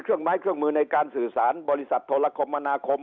เครื่องไม้เครื่องมือในการสื่อสารบริษัทโทรคมณคม